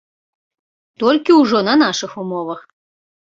Толькі ўжо на нашых умовах.